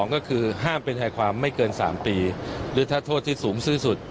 ก็คือห้ามเป็นชายความไม่เกิน๓ปีหรือถ้าโทษที่สูงที่สุด